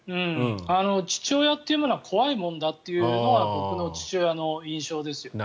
父親っていうものは怖いものだっていうのが僕の父親の印象ですよね。